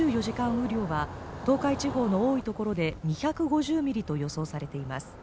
雨量は東海地方の多い所で２５０ミリと予想されています